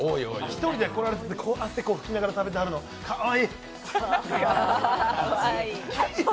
１人で来られていて、汗ふきながら食べてるの、かわいい！